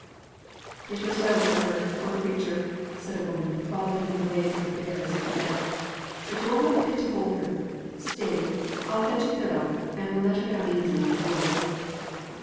"It's as well for her, poor creature," said a woman following in the wake of the bearers of the dead. "But yo're not fit to hold her. Stay, I'll run fetch a pillow, and we'll let her down easy on the floor."